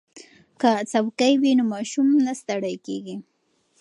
که څوکۍ وي نو ماشوم نه ستړی کیږي.